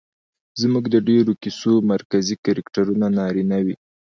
زموږ د ډېرو کيسو مرکزي کرکټرونه نارينه وي